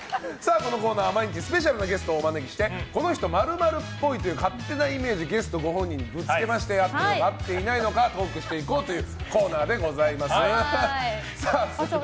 このコーナーは毎日スペシャルなゲストをお招きしてこの人○○っぽいという勝手なイメージをゲストご本人にぶつけまして合っているのか、いないのかトークしていこうというコーナーでございます。